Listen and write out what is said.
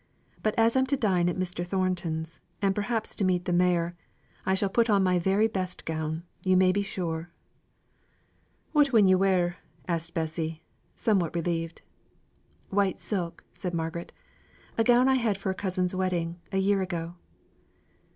But as I'm to dine at Mr. Thornton's, and perhaps to meet the mayor, I shall put on my very best gown, you may be sure." "What win yo' wear?" asked Bessy, somewhat relieved. "White silk," said Margaret. "A gown I had for a cousin's wedding, a year ago."